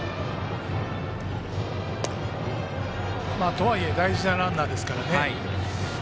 とはいえ大事なランナーですからね。